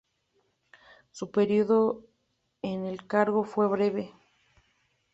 Su periodo en el cargo fue breve.